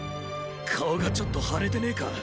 顔がちょっと腫れてねェか？